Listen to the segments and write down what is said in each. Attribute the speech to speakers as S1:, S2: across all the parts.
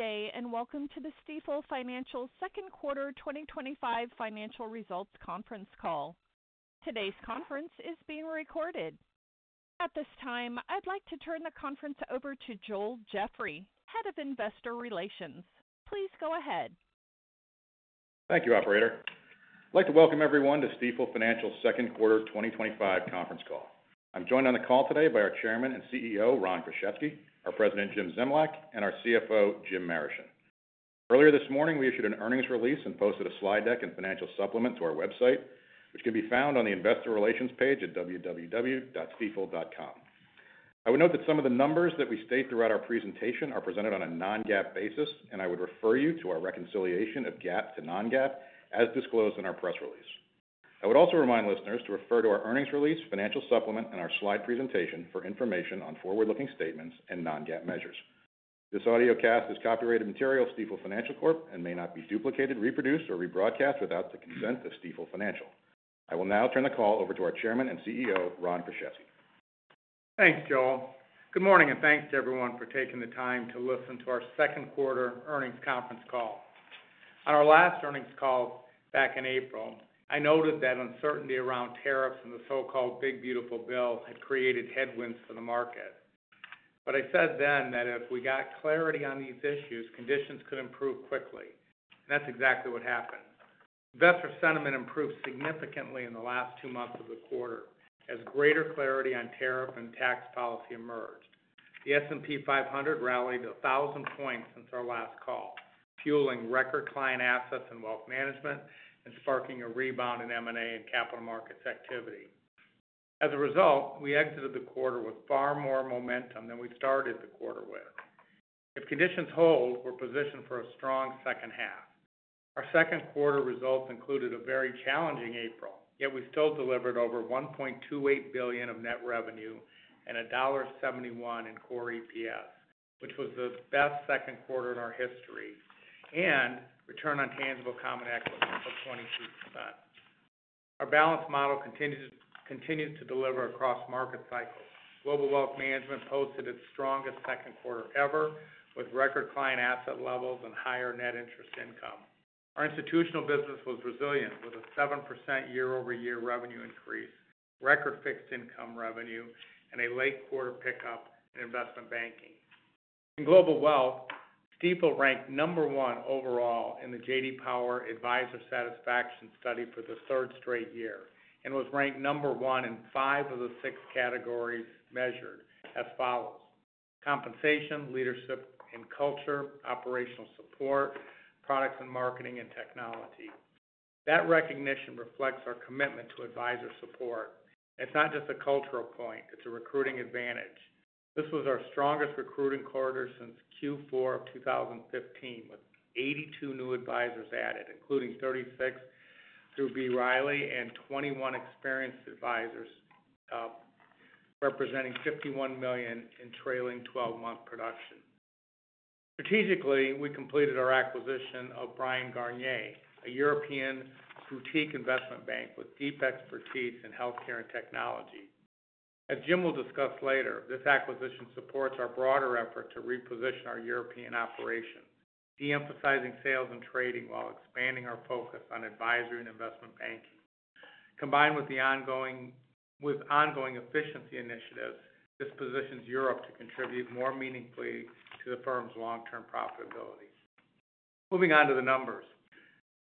S1: Good day and welcome to the Stifel Financial Second Quarter 2025 Financial Results Conference call. Today's conference is being recorded. At this time, I'd like to turn the conference over to Joel Jeffrey, Head of Investor Relations. Please go ahead.
S2: Thank you operator. I'd like to welcome everyone to Stifel Financial's second quarter 2025 conference call. I'm joined on the call today by our Chairman and CEO Ronald Kruszewski, our President James Zemlyak, and our CFO James Marischen. Earlier this morning we issued an earnings release and posted a slide deck and financial supplement to our website, which can be found on the Investor Relations page at www.stifel.com. I would note that some of the numbers that we state throughout our presentation are presented on a Non-GAAP basis, and I would refer you to our reconciliation of GAAP to Non-GAAP as disclosed in our press release. I would also remind listeners to refer to our earnings release, financial supplement, and our slide presentation for information on forward-looking statements and Non-GAAP measures. This audio cast is copyrighted material of Stifel Financial Corp. and may not be duplicated, reproduced, or rebroadcast without the consent of Stifel Financial. I will now turn the call over to our Chairman and CEO Ronald Kruszewski.
S3: Thanks, Joel. Good morning and thanks to everyone for taking the time to listen to our second quarter earnings conference call. On our last earnings call back in April, I noted that uncertainty around tariffs and the so-called big beautiful bill had created headwinds for the market. I said then that if we got clarity on these issues, conditions could improve quickly. That's exactly what happened. Investor sentiment improved significantly in the last two months of the quarter as greater clarity on tariff and tax policy emerged. The S&P 500 rallied 1,000 points since our last call, fueling record client assets in wealth management and sparking a rebound in M&A and capital markets activity. As a result, we exited the quarter with far more momentum than we started the quarter with. If conditions hold, we're positioned for a strong second half. Our second quarter results included a very challenging April, yet we still delivered over $1.28 billion of net revenue and $1.71 in core EPS, which was the best second quarter in our history, and return on tangible common equity of 22%. Our balanced model continues to deliver across market cycles. Global Wealth Management posted its strongest second quarter ever with record client asset levels and higher net interest income. Our institutional business was resilient with a 7% year-over-year revenue increase, record fixed income revenue, and a late quarter pickup in investment banking. In global wealth, Stifel ranked number one overall in the J.D. Power advisor satisfaction study for the third straight year and was ranked number one in five of the six categories measured: compensation, leadership and culture, operational support, products and marketing, and technology. That recognition reflects our commitment to advisor support. It's not just a cultural point, it's a recruiting advantage. This was our strongest recruiting quarter since Q4 of 2015 with 82 new advisors added, including 36 through B. Riley Financial and 21 experienced advisors representing $51 million in trailing twelve-month production. Strategically, we completed our acquisition Bryan, Garnier & Co., a European boutique investment bank with deep expertise in health care and technology. As Jim will discuss later, this acquisition supports our broader effort to reposition our European operations, deemphasizing sales and trading while expanding our focus on advisory and investment banking. Combined with ongoing efficiency initiatives, this positions Europe to contribute more meaningfully to the firm's long term profitability. Moving on to the numbers,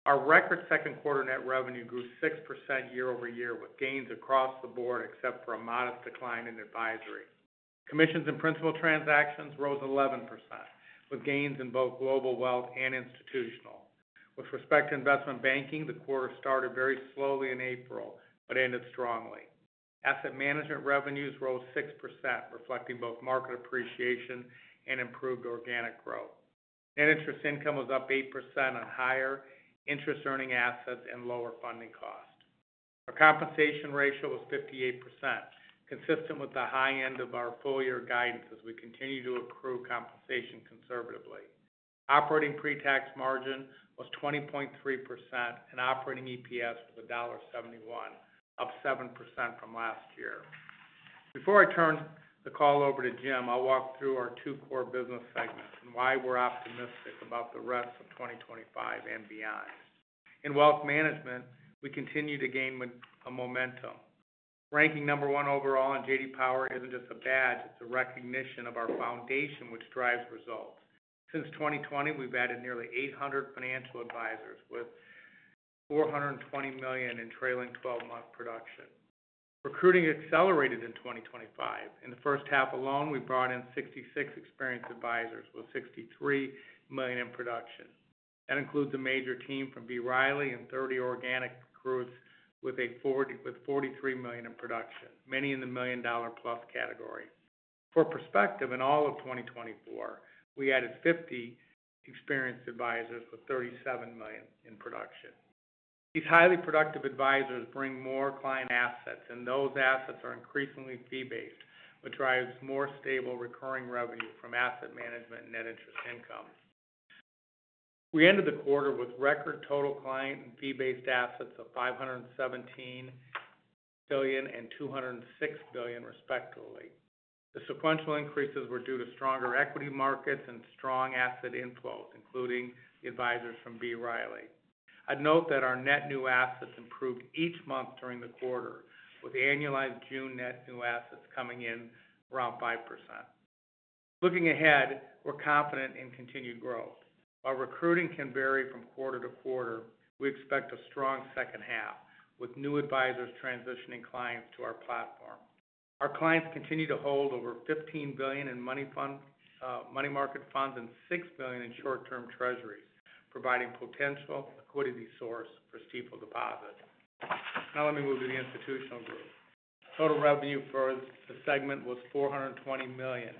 S3: our record second quarter net revenue grew 6% year over year with gains across the board except for a modest decline in advisory. Commissions and principal transactions rose 11% with gains in both global wealth and institutional. With respect to investment banking, the quarter started very slowly in April but ended strongly. Asset management revenue rose 6% reflecting both market appreciation and improved organic growth. Net interest income was up 8% on higher interest earning assets and lower funding cost. Our compensation ratio was 58%, consistent with the high end of our full year guidance as we continue to compensate conservatively. Operating pre-tax margin was 20.3% and operating EPS was $1.71, up 7% from last year. Before I turn the call over to Jim, I'll walk through our two core business segments and why we're optimistic about the rest of 2025 and beyond. In wealth management, we continue to gain momentum. Ranking number one overall in J.D. Power isn't just a badge, it's a recognition of our foundation which drives results. Since 2020 we've added nearly 800 financial advisors with $420 million in trailing twelve-month production. Recruiting accelerated in 2025. In the first half alone we brought in 66 experienced advisors with $63 million in production. That includes a major team from B. Riley Financial and 30 organic recruits with $43 million in production, many in the million dollar plus category. For perspective, in all of 2024 we added 50 experienced advisors with $37 million in production. These highly productive advisors bring more client assets and those assets are increasingly fee based which drives more stable recurring revenue from asset management and net interest income. We ended the quarter with record total client and fee based assets of $517 billion and $206 billion respectively. The sequential increases were due to stronger equity markets and strong asset inflows including the advisors from B. Riley Financial. I'd note that our net new assets improved each month during the quarter with annualized June net new assets coming in around 5%. Looking ahead, we're confident in continued growth. While recruiting can vary from quarter to quarter, we expect a strong second half with new advisors transitioning clients to our platform. Our clients continue to hold over $15 billion in Money Market Funds and $6 billion in Short-Term Treasuries, providing potential liquidity source for Stifel deposits. Now let me move to the Institutional Group. Total revenue for the segment was $420 million,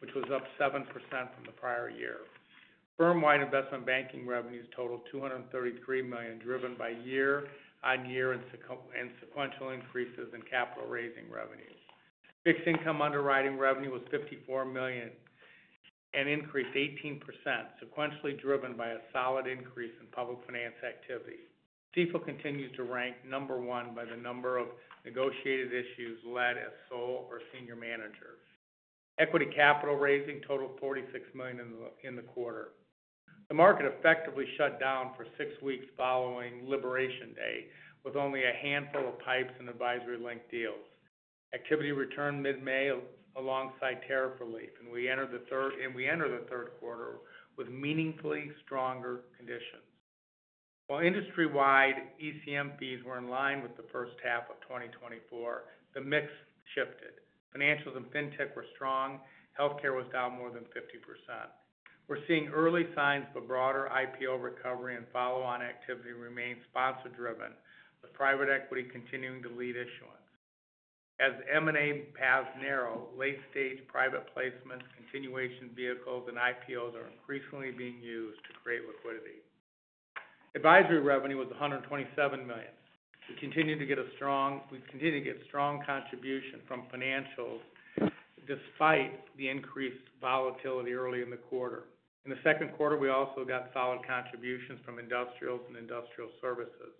S3: which was up 7% from the prior year. Firm wide investment banking revenues totaled $233 million, driven by year-on-year and sequential increases. Capital raising revenue. Fixed income underwriting revenue was $54 million and increased 18% sequentially, driven by a solid increase in public finance activity. Stifel continues to rank number one by the number of negotiated issues led as sole or senior manager. Equity capital raising totaled $46 million in the quarter. The market effectively shut down for six weeks following Liberation Day with only a handful of PIPEs and advisory linked deals. Activity returned mid May alongside tariff relief and we enter the third quarter with meaningfully stronger conditions. While industry wide ECM fees were in line with the first half of 2024, the mix shifted. Financials and Fintech were strong. Healthcare was down more than 50%. We're seeing early signs of a broader IPO recovery and follow-on activity remain sponsor driven with private equity continuing to lead issuance. As M&A paths narrow, late stage private placements, continuation vehicles, and IPOs are increasingly being used to create liquidity. Advisory revenue was $127 million. We continue to get strong contribution from financials despite the increased volatility early in the quarter. In the second quarter, we also got solid contributions from industrials and industrial services.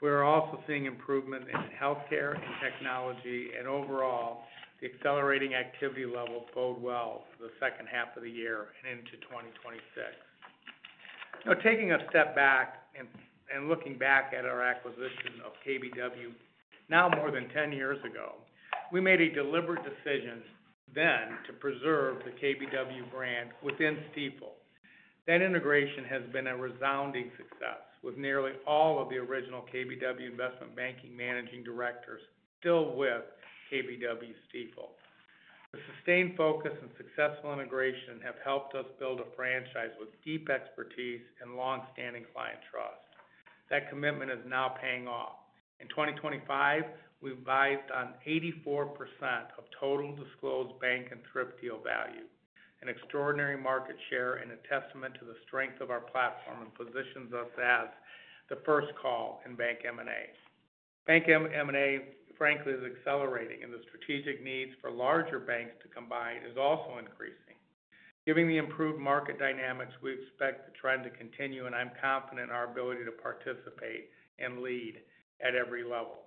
S3: We are also seeing improvement in healthcare and technology, and overall the accelerating activity levels bode well for the second half of the year and into 2026. Now taking a step back and looking back at our acquisition of KBW now more than 10 years ago. We made a deliberate decision then to preserve the KBW brand within Stifel. That integration has been a resounding success with nearly all of the original KBW investment banking managing directors still with KBW Stifel, the sustained focus and successful integration have helped us build a franchise with deep expertise and long-standing client trust. That commitment is now paying off. In 2025, we vied on 84% of total disclosed bank and thrift deal value, an extraordinary market share and a testament to the strength of our platform and positions us as the first call in Bank M&A. Bank M&A frankly is accelerating and the strategic needs for larger banks to combine is also increasing given the improved market dynamics. We expect the trend to continue and I'm confident in our ability to participate and lead at every level.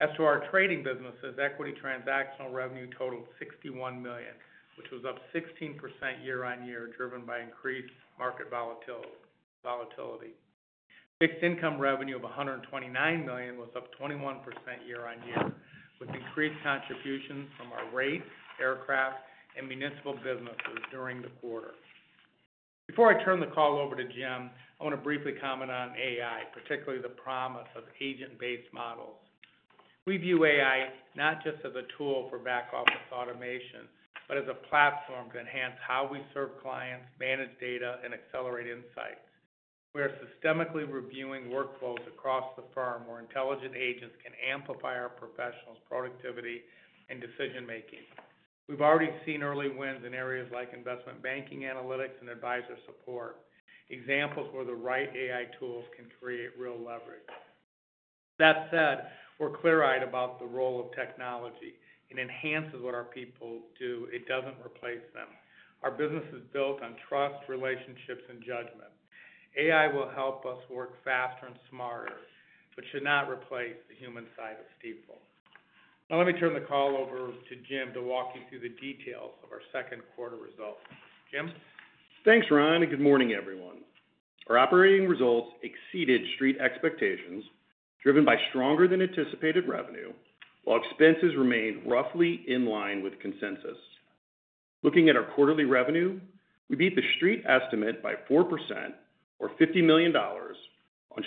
S3: As to our trading businesses, equity transactional revenue totaled $61 million which was up 16% year-on-year driven by increased market volatility. Fixed income revenue of $129 million was up 21% year on year with increased contributions from our rate, aircraft, and municipal businesses during the quarter. Before I turn the call over to Jim, I want to briefly comment on AI, particularly the promise of agent-based models. We view AI not just as a tool for back office automation, but as a platform to enhance how we serve clients, manage data, and accelerate insights. We are systemically reviewing workflows across the firm where intelligent agents can amplify our professionals' productivity and decision making. We've already seen early wins in areas like investment banking, analytics, and advisor support, examples where the right AI tools can create real leverage. That said, we're clear eyed about the role of technology. It enhances what our people do, it doesn't replace them. Our business is built on trust, relationships, and judgment. AI will help us work faster and smarter, but should not replace the human side of Stifel. Now let me turn the call over to Jim to walk you through the details of our second quarter results.
S4: Jim, thanks Ron, and good morning everyone. Our operating results exceeded street expectations, driven by stronger than anticipated revenue, while expenses remained roughly in line with consensus. Looking at our quarterly revenue, we beat the street estimate by 4% or $50 million on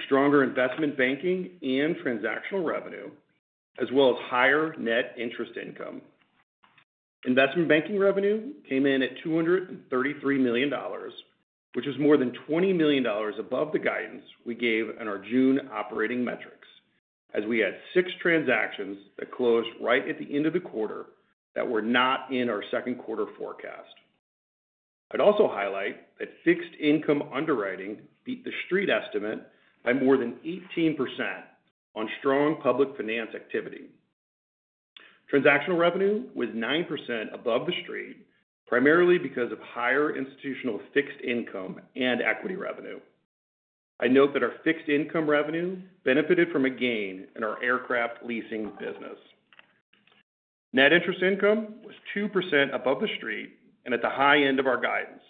S4: stronger investment banking and transactional revenue as well as higher net interest income. Investment banking revenue came in at $233 million, which is more than $20 million above the guidance we gave in our June operating metrics as we had six transactions that closed right at the end of the quarter that were not in our second quarter forecast. I'd also highlight that fixed income underwriting beat the street estimate by more than 18% on strong public finance activity. Transactional revenue was 9% above the street primarily because of higher institutional fixed income and equity revenue. I note that our fixed income revenue benefited from a gain in our aircraft leasing business. Net interest income was 2% above the street and at the high end of our guidance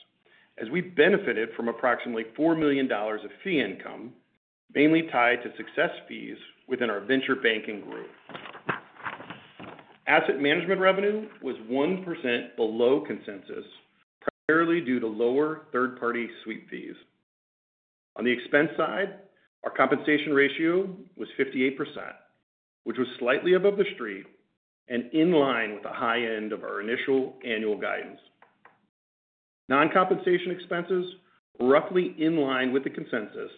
S4: as we benefited from approximately $4 million of fee income mainly tied to success fees within our venture banking group. Asset management revenue was 1% below consensus primarily due to lower third party suite fees. On the expense side, our compensation ratio was 58%, which was slightly above the street and in line with the high end of our initial annual guidance. Non-compensation expenses were roughly in line with the consensus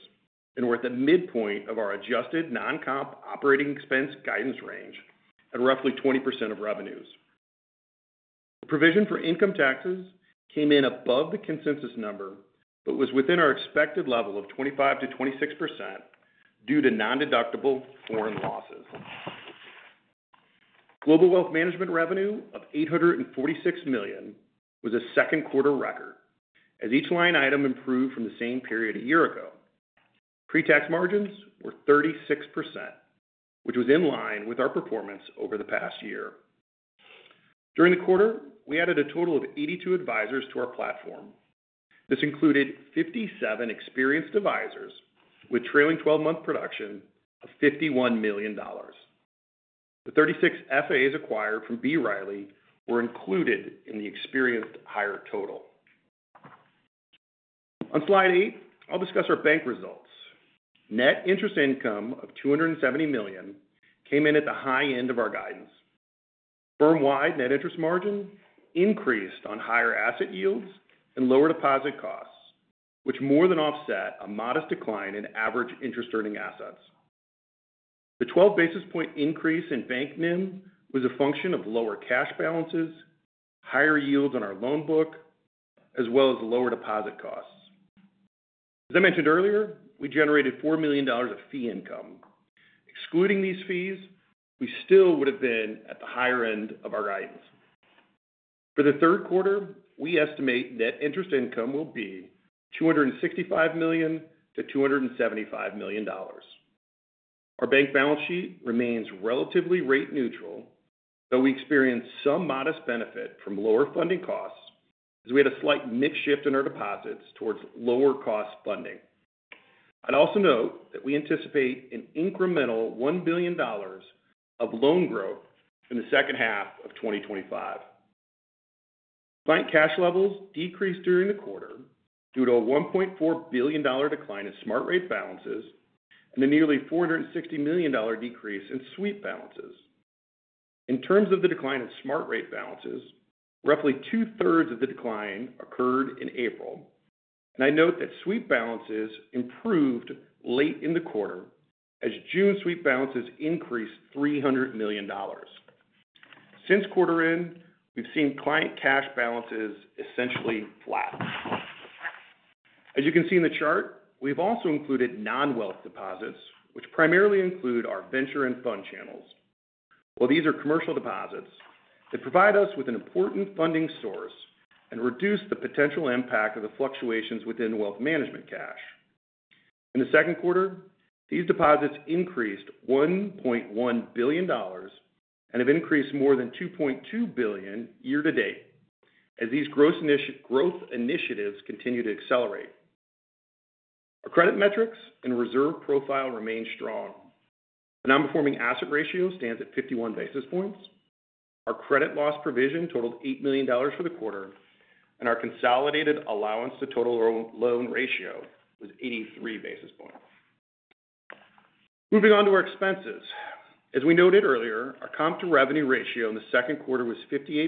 S4: and were at the midpoint of our adjusted non-comp operating expense guidance range at roughly 20% of revenues. The provision for income taxes came in above the consensus number but was within our expected level of 25%-26% due to non-deductible foreign losses. Global wealth management revenue of $846 million was a second quarter record as each line item improved from the same period a year ago. Pre-tax margins were 36%, which was in line with our performance over the past year. During the quarter, we added a total of 82 advisors to our platform. This included 57 experienced advisors with trailing twelve-month production of $51 million. The 36 FAAs acquired from B. Riley Financial were included in the experienced hire total on slide eight. I'll discuss our bank results. Net interest income of $270 million came in at the high end of our guidance. Firm-wide net interest margin increased on higher asset yields and lower deposit costs, which more than offset a modest decline in average interest earning assets. The 12 basis point increase in bank NIM was a function of lower cash balances, higher yields on our loan book as well as lower deposit costs. As I mentioned earlier, we generated $4 million of fee income. Excluding these fees, we still would have been at the higher end of our guidance for the third quarter. We estimate net interest income will be $265 million-$275 million. Our bank balance sheet remains relatively rate neutral though we experienced some modest benefit from lower funding costs as we had a slight mix shift in our deposits towards lower cost funding. I'd also note that we anticipate an incremental $1 billion of loan growth in the second half of 2025. Client cash levels decreased during the quarter due to a $1.4 billion decline in SmartRate Balances and a nearly $460 million decrease in suite balances. In terms of the decline in SmartRate Balances, roughly two thirds of the decline occurred in April and I note that suite balances improved late in the quarter as June Sweep balances increased $300 million. Since quarter end we've seen client cash balances essentially flat as you can see in the chart. We've also included non wealth deposits which primarily include our venture and fund channels. While these are commercial deposits that provide us with an important funding source and reduce the potential impact of the fluctuations within wealth management cash in the second quarter, these deposits increased $1.1 billion and have increased more than $2.2 billion year to date. As these growth initiatives continue to accelerate, our credit metrics and reserve profile remain strong. The non-performing asset ratio stands at 51 basis points. Our credit loss provision totaled $8 million for the quarter and our consolidated allowance to total loan ratio was 83 basis points. Moving on to our expenses, as we noted earlier, our comp to revenue ratio in the second quarter was 58%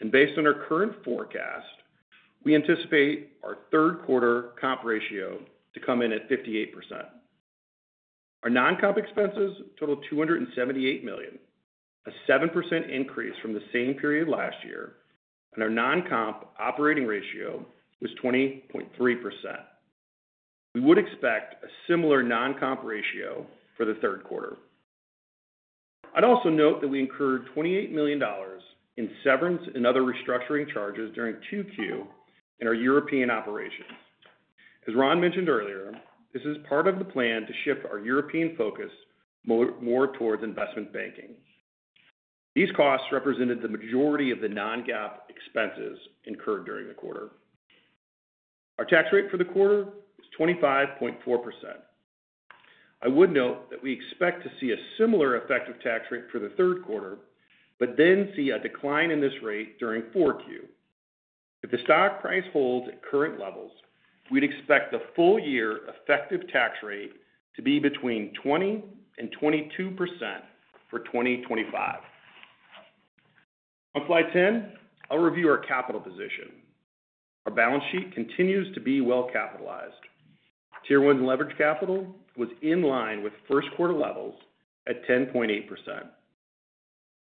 S4: and based on our current forecast, we anticipate our third quarter comp ratio to come in at 58%. Our non comp expenses totaled $278 million, a 7% increase from the same period last year and our non comp operating ratio was 20.3%. We would expect a similar non comp ratio for the third quarter. I'd also note that we incurred $28 million in severance and other restructuring charges during 2Q in our European operations. As Ron mentioned earlier, this is part of the plan to shift our European focus more towards investment banking. These costs represented the majority of the Non-GAAP expenses incurred during the quarter. Our tax rate for the quarter was 25.4%. I would note that we expect to see a similar effective tax rate for the third quarter, but then see a decline in this rate during Q4. If the stock price holds at current levels, we'd expect the full year effective tax rate to be between 20%-22% for 2025. On slide 10, I'll review our capital position. Our balance sheet continues to be well capitalized. Tier 1 leverage capital was in line with first quarter levels at 10.8%.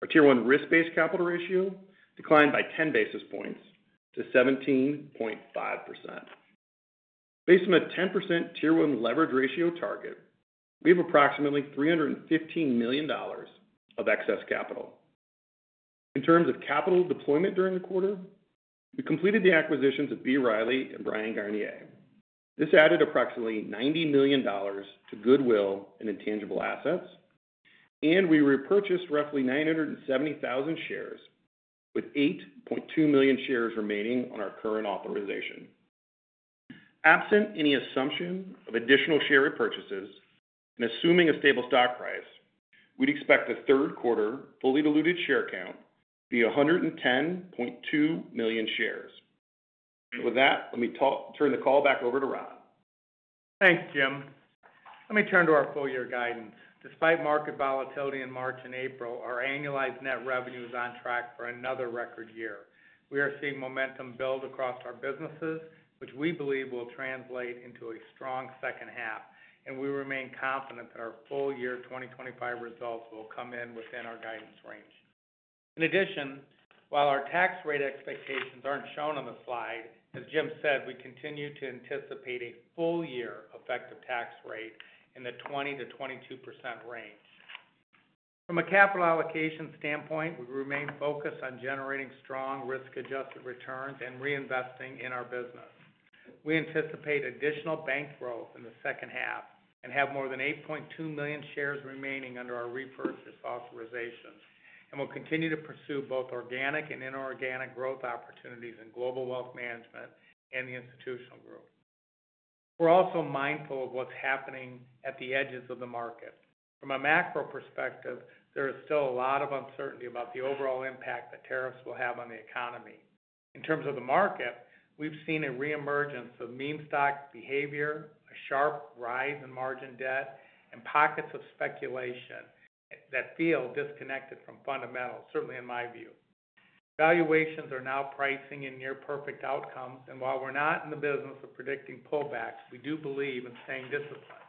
S4: Our Tier 1 risk-based capital ratio declined by 10 basis points to 17.5%. Based on a 10% Tier 1 leverage ratio target, we have approximately $315 million of excess capital. In terms of capital deployment during the quarter, we completed the acquisitions of B. Riley Financial and Bryan, Garnier & Co.. This added approximately $90 million to goodwill and intangible assets and we repurchased roughly 970,000 shares with 8.2 million shares remaining on our current authorization. Absent any assumption of additional share repurchases and assuming a stable stock price, we'd expect the third quarter fully diluted share count to be 110.2 million shares. With that, let me turn the call back over to Rob.
S3: Thanks Jim. Let me turn to our full year guidance. Despite market volatility in March and April, our annualized net revenue is on track for another record year. We are seeing momentum build across our businesses which we believe will translate into a strong second half, and we remain confident that our full year 2025 results will come in within our guidance range. In addition, while our tax rate expectations are not shown on the slide, as Jim said, we continue to anticipate a full year effective tax rate in the 20%-22% range. From a capital allocation standpoint, we remain focused on generating strong risk adjusted returns and reinvesting in our business. We anticipate additional bank growth in the second half and have more than 8.2 million shares remaining under our repurchase authorization and will continue to pursue both organic and inorganic growth opportunities in global wealth management and the institutional group. We are also mindful of what is happening at the edges of the market. From a macro perspective, there is still a lot of uncertainty about the overall impact that tariffs will have on the economy. In terms of the market, we have seen a reemergence of meme stock behavior, a sharp rise in margin debt, and pockets of speculation that feel disconnected from fundamentals. Certainly, in my view, valuations are now pricing in near perfect outcomes. While we are not in the business of predicting pullbacks, we do believe in staying disciplined.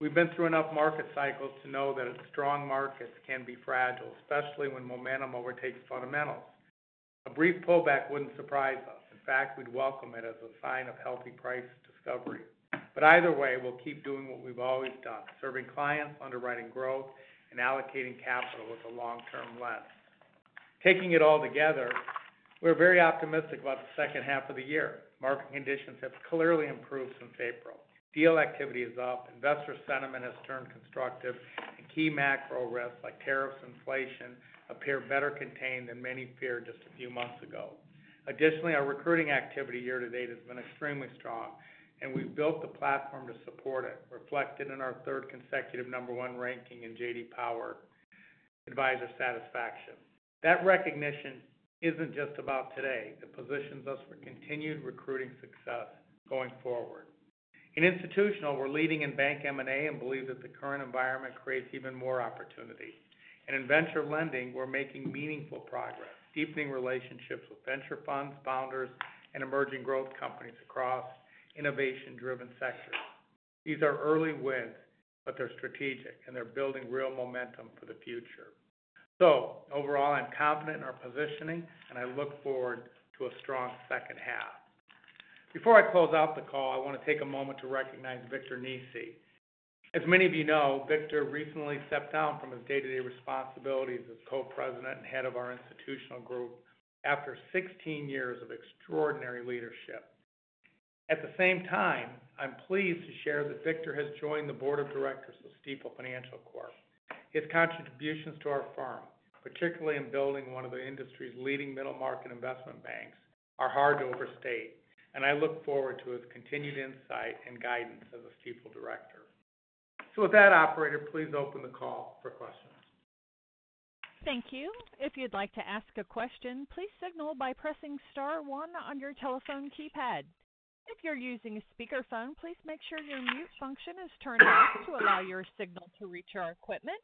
S3: We have been through enough market cycles to know that strong markets can be fragile, especially when momentum overtakes fundamentals. A brief pullback would not surprise us. In fact, we would welcome it as a sign of healthy price discovery. Either way, we will keep doing what we have always done serving clients, underwriting growth and allocating capital with a long term lens. Taking it all together we are very optimistic about the second half of the year. Market conditions have clearly improved since April. Deal activity is up, investor sentiment has turned constructive and key macro risks like tariffs and inflation appear better contained than many feared just a few months ago. Additionally, our recruiting activity year to date has been extremely strong and we have built the platform to support it, reflected in our third consecutive number one ranking in J.D. Power Advisor satisfaction. That recognition is not just about today. It positions us for continued recruiting success going forward. In institutional, we're leading in Bank M&A and believe that the current environment creates even more opportunity. In venture lending, we're making meaningful progress deepening relationships with venture funds, founders, and emerging growth companies across innovation-driven sectors. These are early wins, but they're strategic and they're building real momentum for the future. Overall, I'm confident in our positioning and I look forward to a strong second half. Before I close out the call, I want to take a moment to recognize Victor Neese. As many of you know, Victor recently stepped down from his day-to-day responsibilities as Co-President and Head of our Institutional Group after 16 years of extraordinary leadership. At the same time, I'm pleased to share that Victor has joined the Board of Directors of Stifel Financial Corp. His contributions to our firm, particularly in building one of the industry's leading middle market investment banks, are hard to overstate and I look forward to his continued insight and guidance as a Stifel Director. With that, operator, please open the call for questions.
S1: Thank you. If you'd like to ask a question, please signal by pressing STAR 1 on your telephone keypad. If you're using a speakerphone, please make sure your mute function is turned off to allow your signal to reach our equipment.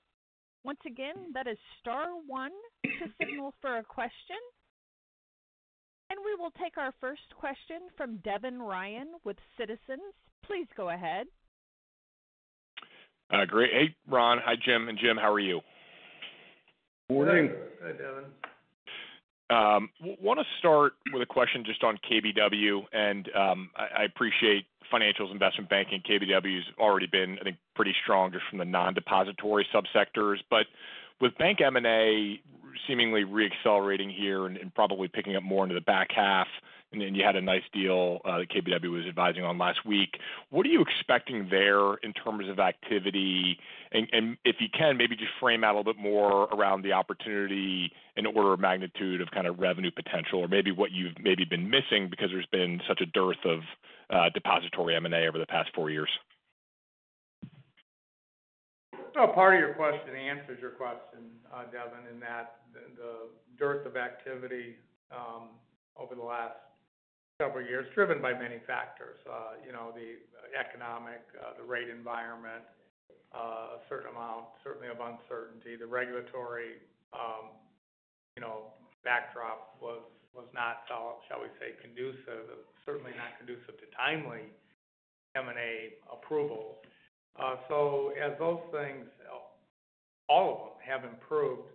S1: Once again, that is STAR 1 to signal for a question and we will take our first question from Devin Ryan with Citizens JMP. Please go ahead.
S5: Great. Hey Ron. Hi Jim and Jim, how are you?
S3: Morning. Hi Devin.
S5: Want to start with a question just on KBW and I appreciate financials, investment banking, KBW has already been, I think, pretty strong just from the non-depository subsectors. With bank M&A seemingly reaccelerating here and probably picking up more into the back half and you had a nice deal that KBW was advising on last week, what are you expecting there in terms of activity and if you can maybe just frame out a bit more around the opportunity in order of magnitude of kind of revenue potential or maybe what you've maybe been missing because there's been such a dearth of depository M&A over the past four years.
S3: Part of your question answers your question, Devin, in that the dearth of activity over the last several years, driven by many factors, the economic, the rate environment, a certain amount certainly of uncertainty, the regulatory, backdrop was not, shall we say, conducive, certainly not conducive to timely M&A approval. As those things, all of them, have improved,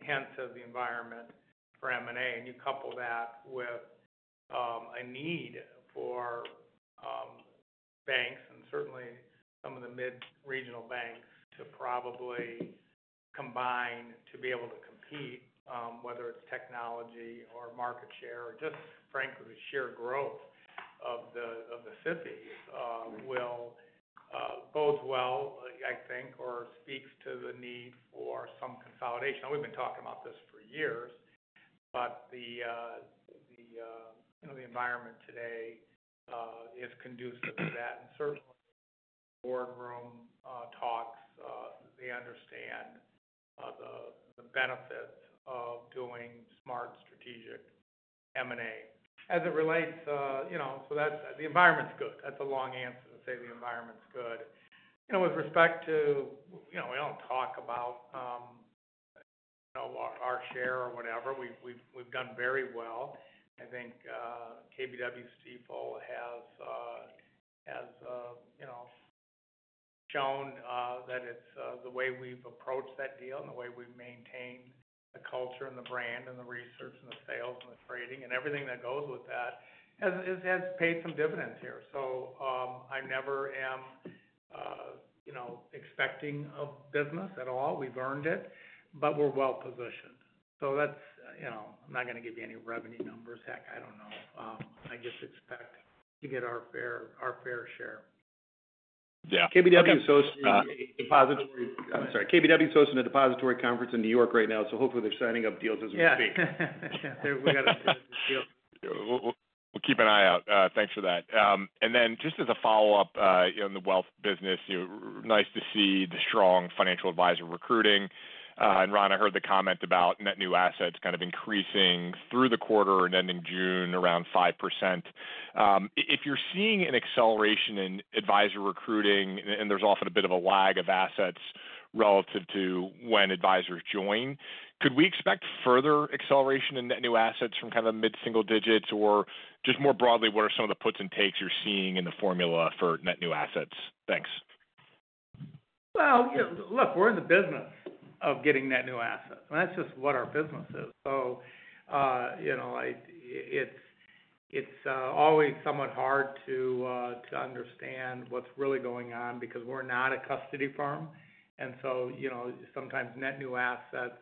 S3: hence the environment for M&A, and you couple that with a need for banks and certainly some of the mid regional banks to probably combine to be able to compete, whether it is technology or market share or just frankly sheer growth of the SIFI, it bodes well, I think, or speaks to the need for some consolidation. We have been talking about this for years, but the environment today is conducive to that. Certainly, boardroom talks, they understand the benefits of doing smart strategic as it relates. That is—the environment is good. That is a long answer to say the environment is good. With respect to, we do not talk about our share or whatever, we have done very well. I think KBW Stifel has shown that it is the way we have approached that deal and the way we have maintained the culture and the brand and the research and the sales and the trading and everything that goes with that has paid some dividends here. I never expecting a business at all. We have earned it, but we are well positioned. That is, I am not going to give you any revenue numbers. I do not know. I just expect to get our fair, our fair share.
S5: Yeah.
S4: KBW is hosting a depository conference in New York right now. Hopefully they're signing up deals as we speak.
S5: We'll keep an eye out. Thanks for that. Just as a follow up on the wealth business, nice to see the strong financial advisor recruiting. Ron, I heard the comment about net new assets kind of increasing through the quarter and ending June around 5%. If you're seeing an acceleration in advisor recruiting and there's often a bit of a lag of assets relative to when advisors join, could we expect further acceleration in net new assets from kind of a mid single digit or just more broadly, what are some of the puts and takes you're seeing in the formula for net new assets? Thanks.
S3: We're in the business of getting net new assets. That's just what our business is, it's always somewhat hard to understand what's really going on because we're not a custody firm and sometimes net new assets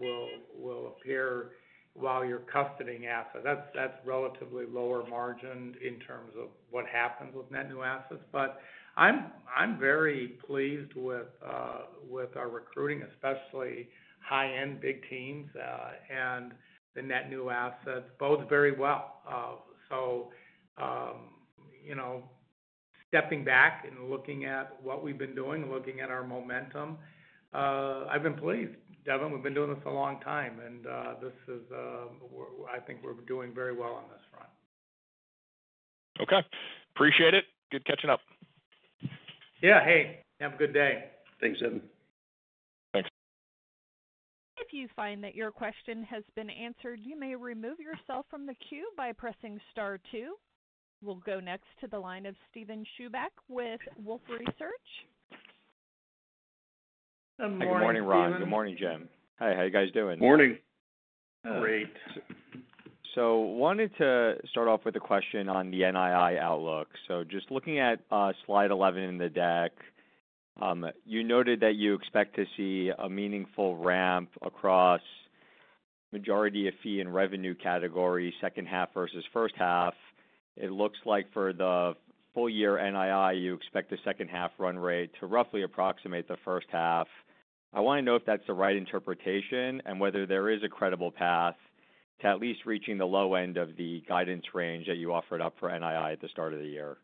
S3: will appear while you're custodying assets. That's relatively lower margin in terms of what happens with net new assets. I'm very pleased with our recruiting, especially high end big teams and the net new assets bodes very well. Stepping back and looking at what we've been doing, looking at our momentum, I've been pleased. Devin, we've been doing this a long time and this is. I think we're doing very well on this front.
S5: Okay, appreciate it. Good catching up.
S3: Have a good day.
S4: Thanks, Devin.
S5: Thanks.
S1: If you find that your question has been answered, you may remove yourself from the queue by pressing Star two. We'll go next to the line of Steven Chubak with Wolfe Research.
S6: Good morning, Ron. Good morning, Jim. Hi. How are you guys doing?
S4: Morning.
S3: Great.
S6: Wanted to start off with a question on the NII outlook. Just looking at slide 11 in the deck, you noted that you expect to see a meaningful ramp across the majority of fee and revenue categories. Second half versus first half. It looks like for the first half full year NII, you expect the second half run rate to roughly approximate the first half. I want to know if that's the right interpretation and whether there is a credible path to at least reaching the low end of the guidance range that you offered up for NII at the start of the year.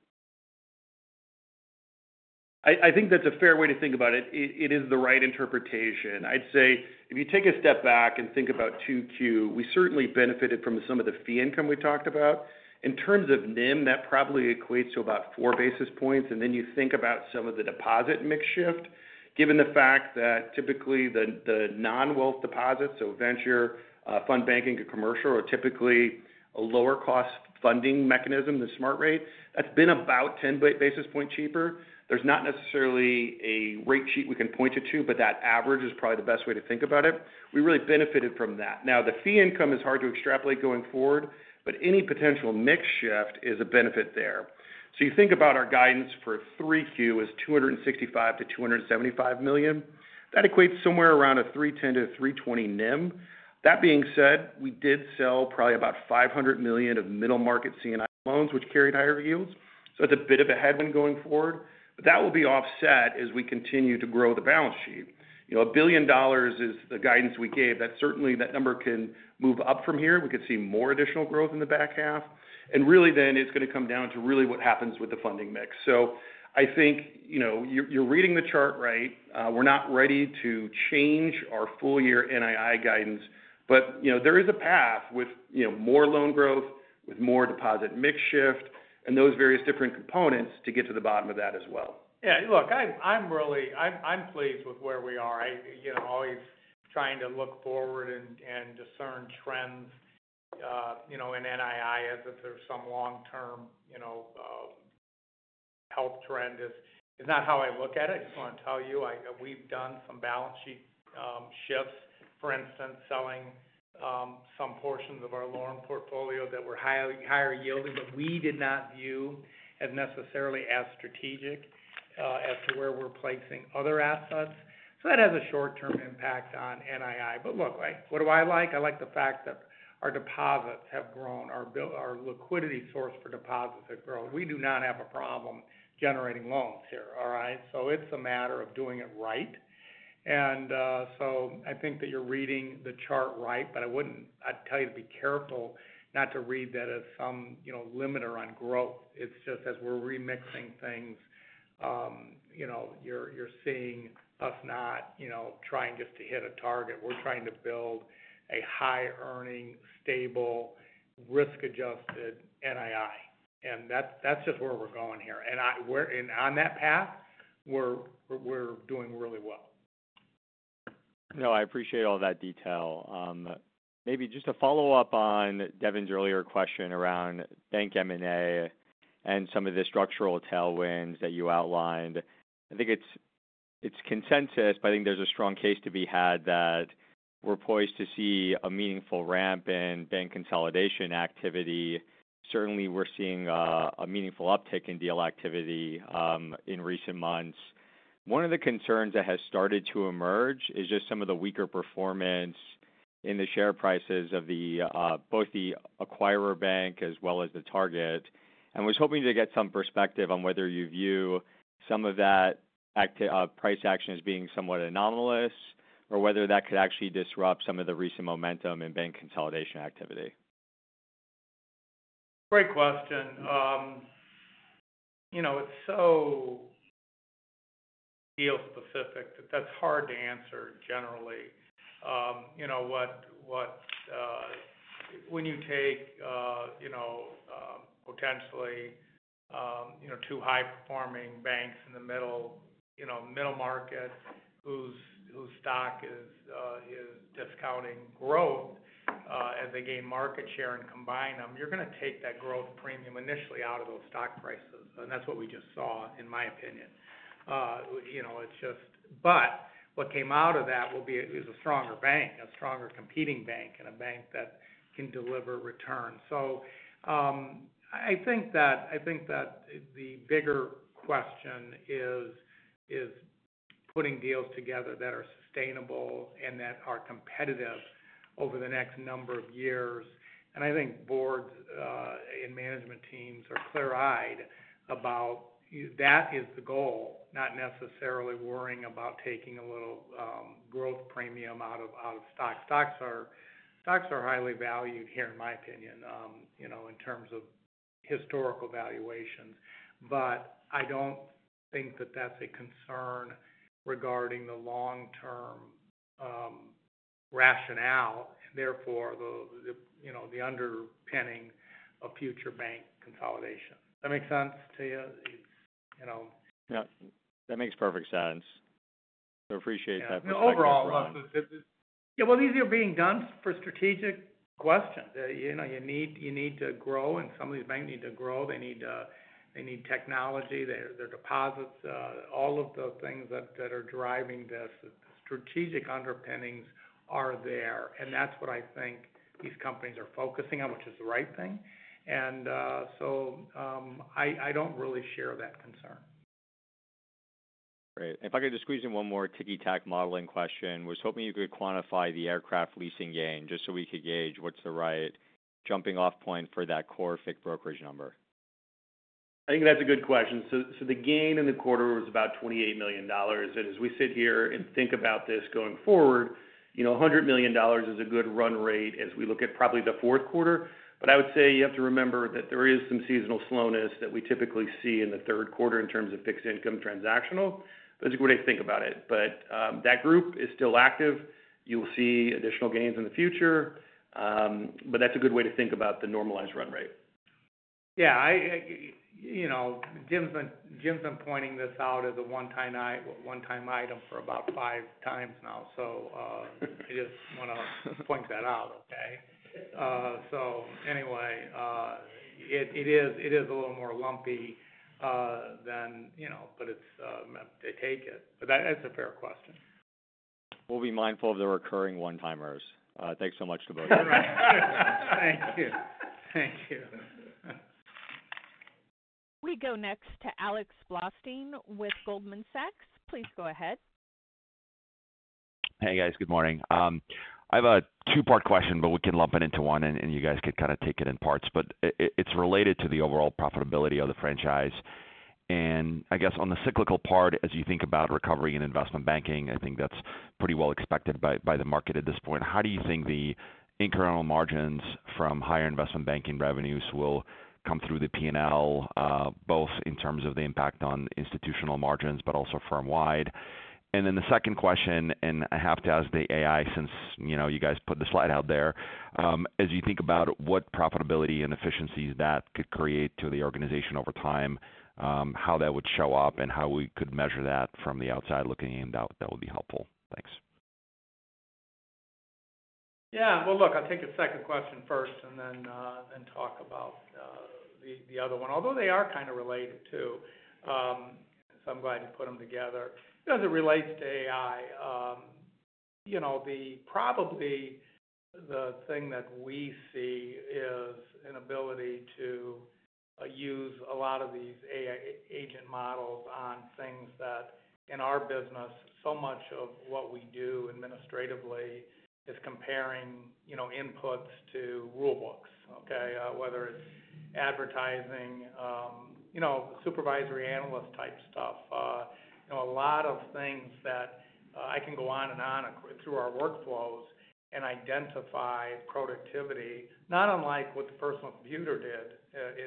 S4: I think that's a fair way to think about it. It is the right interpretation, I'd say. If you take a step back and think about 2Q, we certainly benefited from some of the features. Fee income we talked about in terms of NIM, that probably equates to about 4 basis points. And then you think about some of the deposit mix shift. Given the fact that typically the non-wealth deposits, so venture fund, banking or commercial, are typically a lower cost funding mechanism. The SmartRate, that's been about 10 basis points cheaper. There's not necessarily a rate sheet we can point to, but that average is probably the best way to think about it. We really benefited from that. Now the fee income is hard to extrapolate going forward, but any potential mix shift is a benefit there. You think about our guidance for 3Q is $265 million-$275 million. That equates somewhere around a 310-320 NIM. That being said, we did sell probably about $500 million of middle market C&I loans which carried higher yields. It's a bit of a headwind going forward, but that will be offset as we continue to grow the balance sheet. A billion dollars is the guidance we gave. Certainly that number can move up from here. We could see more additional growth in the back half. Really then it's going to come down to what happens with the funding mix. I think you're reading the chart right, we're not ready to change our full year NII guidance. There is a path with more loan growth, with more deposit mix shift and those various different components to get to the bottom of that as well.
S3: Yeah, look, I'm really, I'm pleased with where we are always trying to look forward and discern trends in NII, as if there's some long term, health trend is not how I look at it. I just want to tell you we've done some balance sheet shifts, for instance, selling some portions of our loan portfolio that were higher yielding, but we did not view as necessarily as strategic and as to where we're placing other assets. That has a short term impact on NII. Look, what do I like? I like the fact that our deposits have grown, our liquidity source for deposits have grown. We do not have a problem generating loans here. All right? It is a matter of doing it right. I think that you're reading the chart right, but I'd tell you to be careful not to read that as some, limiter on growth. It's just as we're remixing things you're seeing us not trying just to hit a target. We're trying to build a high earning, stable, risk adjusted NII and that, that's just where we're going here. I, we're in on that path. We're, we're doing really well.
S6: No, I appreciate all that detail. Maybe just a follow up on Devin's earlier question around bank M&A and some of the structural tailwinds that you outlined. I think it's consensus, but I think there's a strong case to be had that we're poised to see a meaningful ramp in bank consolidation activity. Certainly we're seeing a meaningful uptick in deal activity in recent months. One of the concerns that has started to emerge is just some of the weaker performance in the share prices of both the acquirer bank as well as the target. I was hoping to get some perspective on whether you view some of that price action as being somewhat anomalous or whether that could actually disrupt some of the recent momentum in bank consolidation activity.
S3: Great question. It's so deal specific that that's hard to answer. Generally, when you take potentially two high performing banks in the middle market whose stock is discounting growth as they gain market share and combine them, you're going to take that growth premium initially out of those stock prices. That's what we just saw in my opinion. It's just, but what came out of that will be, is a stronger bank, a stronger competing bank and a bank that can deliver returns. I think that the bigger question is putting deals together that are sustainable and that are competitive over the next number of years. I think boards and management teams are clear eyed about that is the goal. Not necessarily worrying about taking a little growth premium out of stock. Stocks are highly valued here in my opinion in terms of historical valuations. I don't think that that's a concern regarding the long term rationale. Therefore the under penning a future bank consolidation. That makes sense to you?
S6: That makes perfect sense. Appreciate that overall.
S3: These are being done for strategic questions. You need to grow and some of these banks need to grow. They need technology, their deposits. All of the things that are driving this strategic underpinnings are there. That is what I think these companies are focusing on, which is the right thing. I do not really share that concern.
S6: Great. If I could just squeeze in one more tic tac modeling question. Was hoping you could quantify the aircraft leasing gain just so we could gauge what's the right jumping off point for that core brokerage number.
S4: I think that's a good question. The gain in the quarter was about $28 million. As we sit here and think about this going forward, $100 million is a good run rate as we look at probably the fourth quarter. I would say you have to remember that there is some seasonal slowness that we typically see in the third quarter in terms of fixed income transactional. That's a good way to think about it. That group is still active. You will see additional gains in the future. That's a good way to think about the normalized run rate.
S3: Jim's been pointing this out as a one-time item for about five times now. I just want to point that out. Okay. Anyway, it is a little more lumpy than, but it's to take it. That's a fair question.
S6: We'll be mindful of the recurring one timers. Thanks so much to both of you.
S3: Thank you. Thank you.
S1: We go next to Alex Blostein with Goldman Sachs. Please go ahead.
S7: Hey guys, good morning. I have a two-part question but we can lump it into one and you guys can take it in parts. It is related to the overall profitability of the franchise. On the cyclical part, as you think about recovery in investment banking, I think that is pretty well expected by the market at this point. How do you think the incremental margins from higher investment banking revenues will come through the P and L both in terms of the impact on institutional margins, but also firm wide. The second question, and I have to ask the AI, since you guys put the slide out there, as you think about what profitability and efficiencies that could create to the organization over time, how that would show up and how we could measure that from the outside looking. That would be helpful, thanks.
S3: Yeah, look, I'll take the second question first and then talk about the other one. Although they are kind of related too. I'm glad you put them together as it relates to AI. Probably the thing that we see is an ability to use a lot of these AI agent models on things that in our business, so much of what we do administratively is comparing inputs to rule books, whether it's advertising, supervisory analyst type stuff, a lot of things that I can go on and on through our workflows and identify productivity not unlike what the personal computer did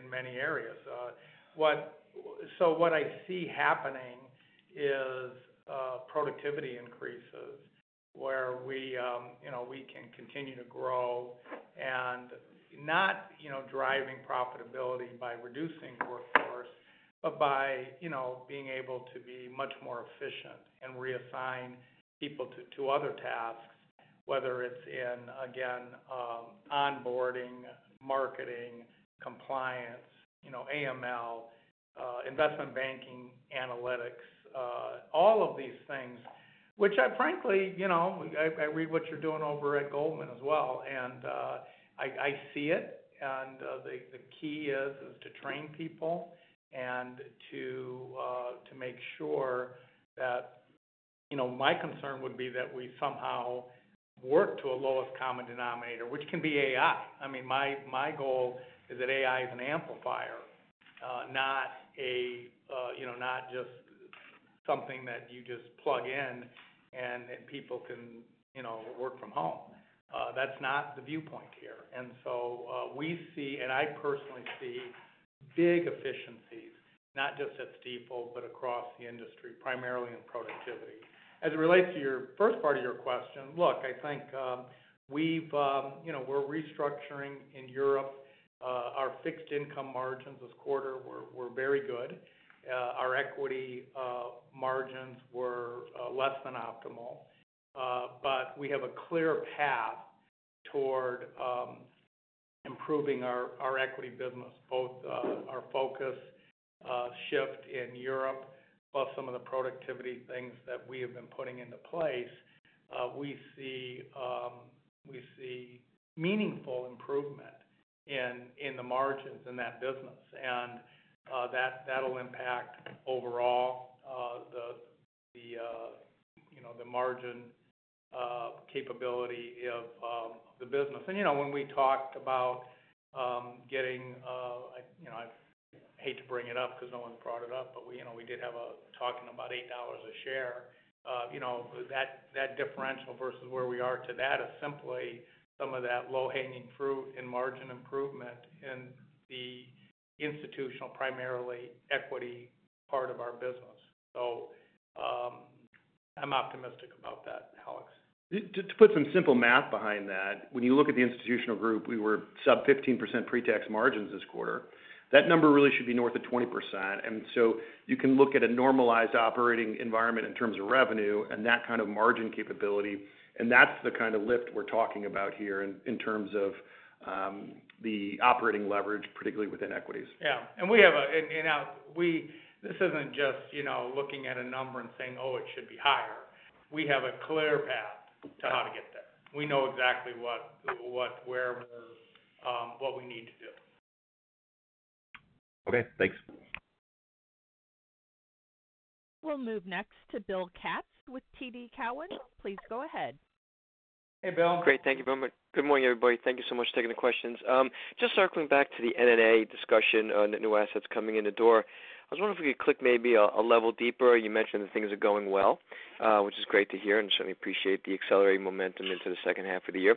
S3: in many areas. What I see happening is productivity increases where we can continue to grow and not driving profitability by reducing workforce but by being able to be much more efficient and reassign people to other tasks. Whether it's in, again, onboarding, marketing, compliance, AML, investment banking, analytics, all of these things which I frankly, I read what you're doing over at Goldman as well, and I see it. The key is to train people and to make sure that my concern would be that we somehow work to a lowest common denominator which can be AI. I mean, my goal is that AI is an amplifier, not just something that you just plug in and people can work from home. That's not the viewpoint here. I personally see big efficiencies, not just at Stifel, but across the industry, primarily in productivity. As it relates to your first part of your question, look, I think we're restructuring in Europe. Our fixed income margins this quarter were very good. Our equity margins were less than optimal. We have a clear path toward improving our equity business. Both our focus shift in Europe, plus some of the productivity things that we have been putting into place, we see meaningful improvement in the margins in that business and that'll impact overall the margin capability of the business. When we talked about getting I hate to bring it up because no one's brought it up, but we did have a talking about $8 a share that differential versus where we are to that is simply some of that low hanging fruit and margin improvement in the institutional, primarily equity part of our business. I'm optimistic about that.
S4: Alex, to put some simple math behind that, when you look at the institutional group, we were sub 15% pre-tax margins this quarter. That number really should be north of 20%. You can look at a normalized operating environment in terms of revenue and that kind of margin capability. That is the kind of lift we are talking about here in terms of the operating leverage, particularly within equities.
S3: Yeah, and we have a. This isn't just looking at a number and saying oh it should be higher. We have a clear path to how to get there. We know exactly what, where, what we need to do.
S7: Okay, thanks.
S1: We'll move next to Bill Katz with TD Cowen. Please go ahead.
S3: Hey Bill.
S8: Great. Thank you very much. Good morning everybody. Thank you so much for taking the questions. Just circling back to the NNA discussion. Net new assets coming in the door. I was wondering if we could click maybe a level deeper. You mentioned that things are going well, which is great to hear and certainly appreciate the accelerating momentum into the second half of the year.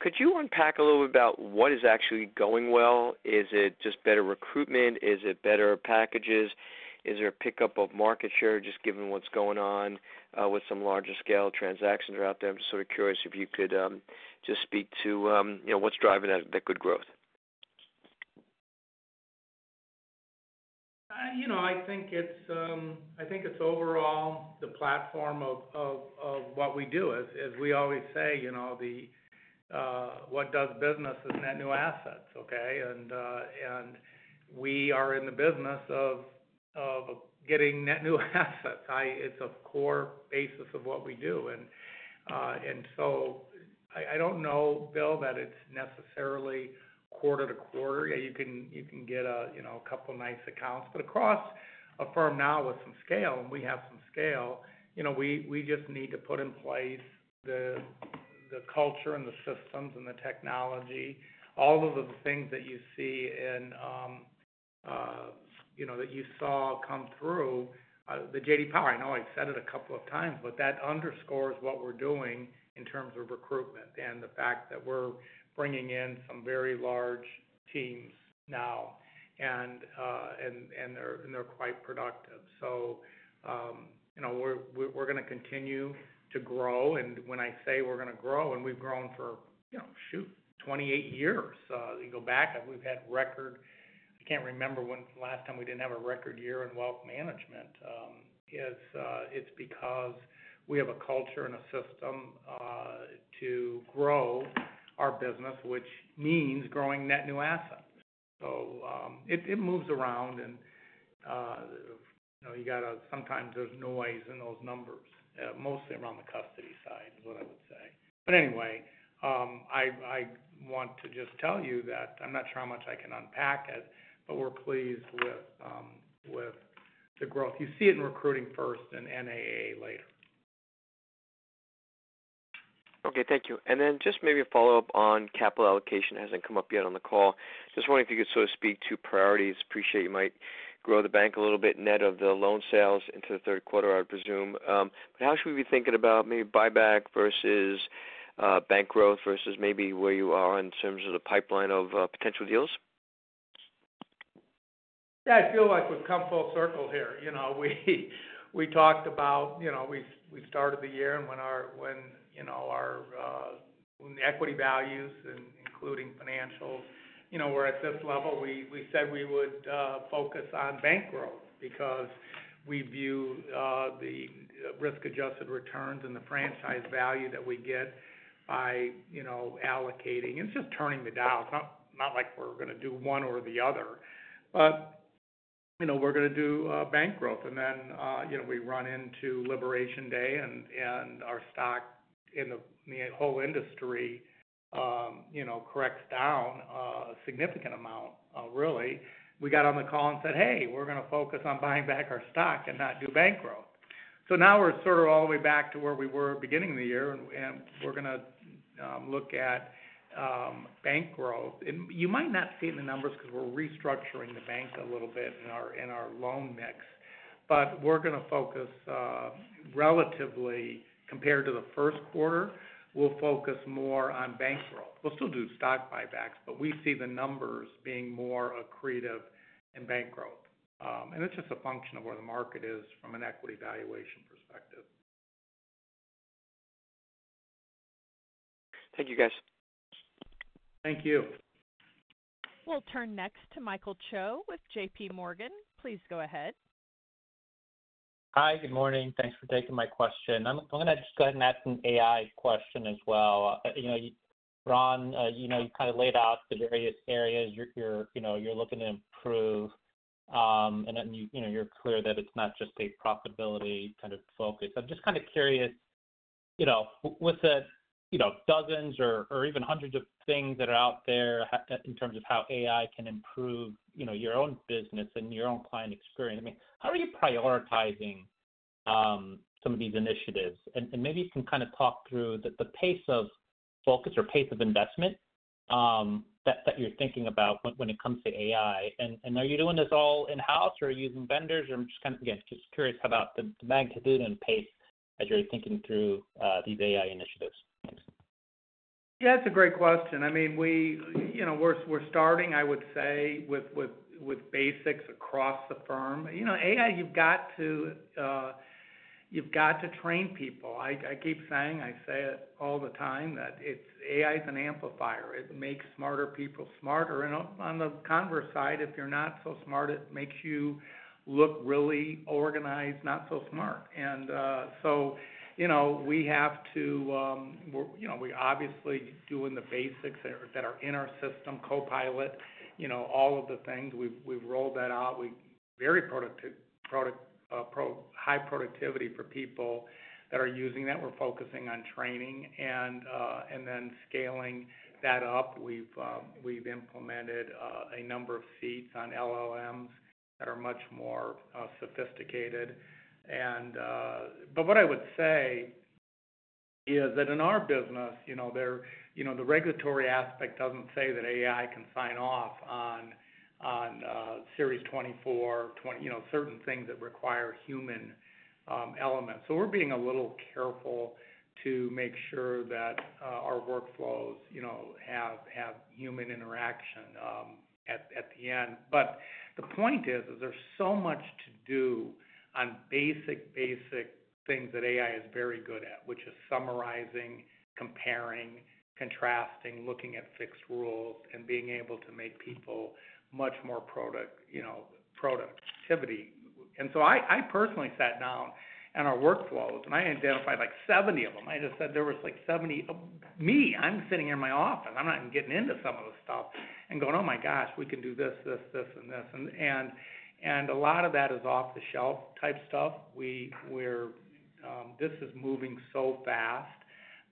S8: Could you unpack a little bit about what is actually going well? Is it just better recruitment? Is it better packages? Is there a pickup of market share? Just given what's going on with some larger scale transactions out there? I'm sort of curious if you could just speak to what's driving that good growth.
S3: I think it's overall the platform of what we do. As we always say, what does business is net new assets. Okay. And we are in the business of getting net new assets. It's a core basis of what we do. I don't know, Bill, that it's necessarily quarter to quarter. You can get a couple nice accounts but across a firm now with some scale, and we have some scale, we just need to put in place the culture and the systems and the technology. All of the things that you see in, that you saw come through the J.D. Power. I know I said it a couple of times, but that underscores what we're doing in terms of recruitment and the fact that we're bringing in some very large teams now and they're quite productive. We're going to continue to grow and when I say we're going to grow and we've grown for shoot, 28 years. You go back, we've had record. I can't remember when last time we didn't have a record year in wealth management. It's because we have a culture and a system to grow our business, which means growing net new assets. It moves around and you got to sometimes there's noise in those numbers, mostly around the custody side is what I would say. Anyway, I want to just tell you that I'm not sure how much I can unpack it. We're pleased with the growth. You see it in recruiting first and NAA later.
S8: Okay, thank you. Just maybe a follow up on capital allocation. It has not come up yet on the call. Just wondering if you could sort of speak to priorities. Appreciate you might grow the bank a little bit net of the loan sales into the third quarter, I presume. How should we be thinking about maybe buyback versus bank growth versus maybe where you are in terms of the pipeline of potential deals?
S3: Yeah, I feel like we've come full circle here. We talked about, we started the year and when our, when our equity values, including financials, were at this level, we said we would focus on, on bank growth because we view the risk adjusted returns and the franchise value that we get by allocating, it's just turning the dial. It's not like we're going to do one or the other but we're going to do bank growth and then we run into Liberation Day and our stock in the whole industry corrects down a significant amount really. We got on the call and said, hey, we're going to focus on buying back our stock and not do bank growth. Now we're sort of all the way back to where we were beginning of the year and we're going to look at bank growth. You might not see it in the numbers because we're restructuring the bank a little bit in our loan mix, but we're going to focus relatively compared to the first quarter. We'll focus more, more on bank growth. We'll still do stock buybacks but we see the numbers being more accretive in bank growth and it's just a function of where the market is from an equity valuation perspective.
S8: Thank you, guys.
S3: Thank you.
S1: We'll turn next to Michael Cho with J.P. Morgan. Please go ahead.
S9: Hi, good morning. Thanks for taking my question. I'm going to just go ahead and ask an AI question as well. Ron, you kind of laid out the various areas you're looking to improve. You're clear that it's not just a profitability kind of focus. I'm just kind of curious with dozens or even hundreds of things that are out there in terms of how AI can improve your own business and your own client experience, I mean, how are you prioritizing some of these initiatives? Maybe you can kind of talk through the pace of focus or pace of investment that you're thinking about when it comes to AI. Are you doing this all in house or using vendors? I'm just kind of, again, just curious about the magnitude and pace as you're thinking through these AI initiatives.
S3: Yeah, that's a great question. I mean, we're starting, I would say, with basics across the firm. AI, you've got to, you've got to train people. I keep saying, I say it all the time, that AI is an amplifier. It makes smarter people smarter. On the converse side, if you're not so smart, it makes you look really organized, not so smart. We have to, we obviously are doing the basics that are in our system Copilot, all of the things, we've rolled that out, very high productivity for people that are using that. We're focusing on training and then scaling that up. We've implemented a number of seats on LLMs that are much more sophisticated. What I would say is that in our business, the regulatory aspect does not say that AI can sign off on, on Series 24, certain things that require human elements. We are being a little careful to make sure that our workflows have human interaction at the end. The point is there's so much to do on basic, basic things that AI is very good at, which is summarizing, comparing, contrasting, looking at fixed rules and being able to make people much more productivity. I personally sat down and our workflows and I identified like 70 of them. I just said there was like 70, me, I'm sitting in my office, I'm not getting into some of the stuff and going, oh my gosh, we can do this, this, this and this. A lot of that is off the shelf type stuff. This is moving so fast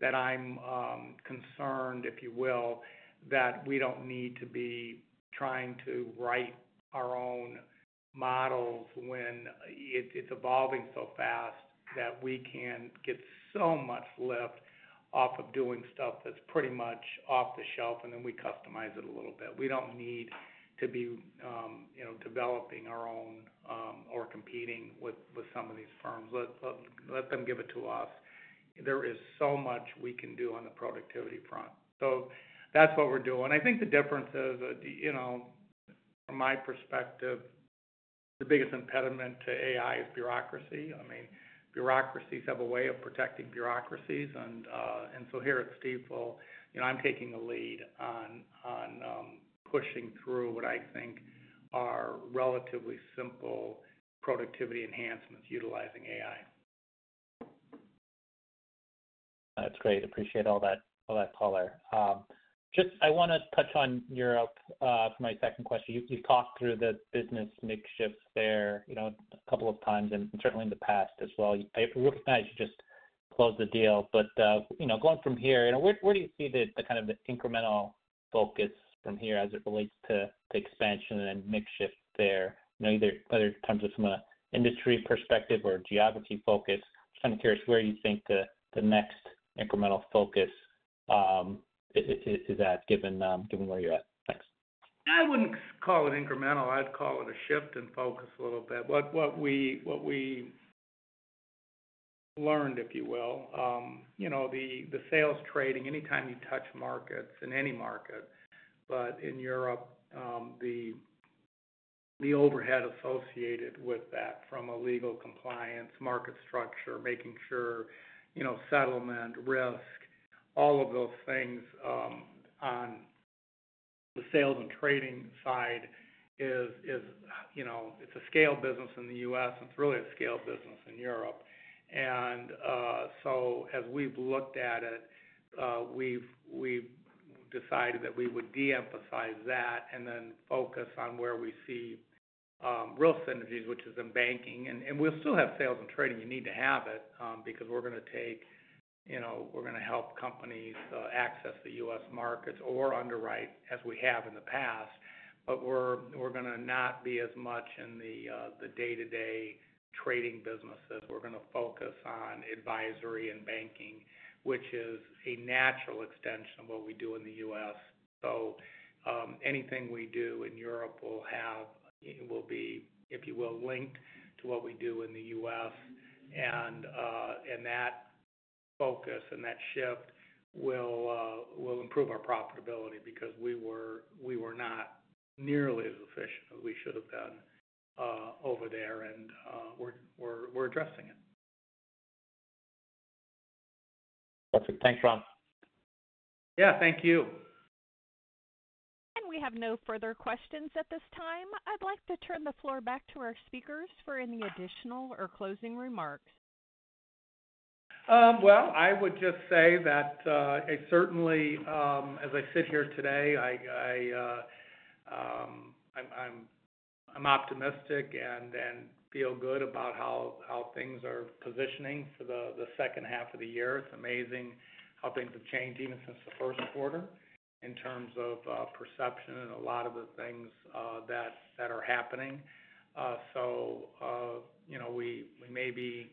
S3: that I'm concerned, if you will, that we do not need to be trying to write our own models when it's evolving so fast that we can get so much lift off of doing stuff that's pretty much off the shelf. Then we customize it a little bit, we do not need to be developing our own or competing with some of these firms. Let them give it to us. There is so much we can do on the productivity front. That's what we're doing. I think the difference is from my perspective, the biggest impediment to AI is bureaucracy. I mean, bureaucracies have a way of protecting bureaucracies. Here at Stifel, I'm taking the lead on, on pushing through what I think are relatively simple productivity enhancements utilizing AI.
S9: That's great. Appreciate all that color. Just I want to touch on Europe for my second question. You've talked through the business mix shifts there a couple of times and certainly in the past as well. I recognize you just closed the deal. Going from here, where do you see the kind of the incremental focus from here as it relates to expansion and mix shift there, whether in terms of an industry perspective or geography focus? Kind of curious where you think the next incremental focus is at, given where you're at. Thanks.
S3: I wouldn't call it incremental. I'd call it a shift in focus a little bit. What we learned, if you will, the sales trading, anytime you touch markets, in any market but in Europe, the overhead associated with that from a legal compliance, market structure, making sure settlement risk, all of those things on the sales and trading side is it's a scale business in the U.S., it's really a scale business in Europe. As we've looked at it, we decided that we would de-emphasize that and then focus on where we see real synergies, which is in banking. We'll still have sales and trading. You need to have it because we're going to take, we're going to help companies access the U.S. markets or underwrite as we have in the past. We're not going to be as much in the day-to-day trading businesses. We're going to focus on advisory and banking, which is a natural extension of what we do in the U.S. Anything we do in Europe will be, if you will, linked to what we do in the U.S., and that focus and that shift will improve our profitability because we were not nearly as efficient as we should have been over there we're addressing it.
S9: Thanks, Ron.
S3: Yeah, thank you.
S1: We have no further questions at this time. I'd like to turn the floor back to our speakers for any additional or closing remarks.
S3: I would just say that certainly as I sit here today, I am optimistic and feel good about how things are positioning for the second half of the year. It's amazing how things have changed even since the first quarter in terms of perception and a lot of the things that are happening. We may have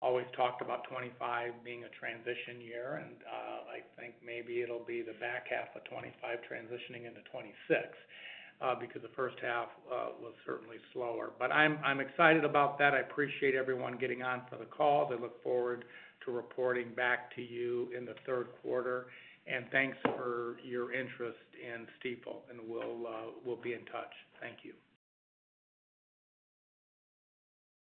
S3: always talked about 2025 being a transition year, and I think maybe it will be the back half of 2025 transitioning into 2026, because the first half was certainly slower. I am excited about that. I appreciate everyone getting on for the call. I look forward to reporting back to you in the third quarter. Thanks for your interest in Stifel. We will be in touch. Thank you.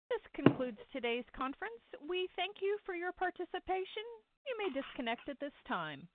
S1: This concludes today's conference. We thank you for your participation. You may disconnect at this time.